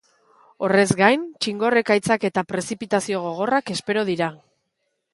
Horrez gain, txingor ekaitzak eta prezipitazio gogorrak espero dira.